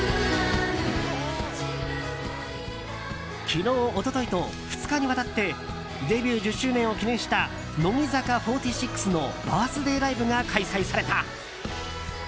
昨日、一昨日と２日にわたってデビュー１０周年を記念した乃木坂４６のバースデーライブが開催された。